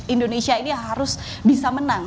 indonesia ini harus bisa menang